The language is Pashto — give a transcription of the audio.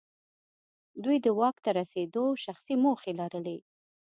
دوی د واک ته رسېدو شخصي موخې لرلې.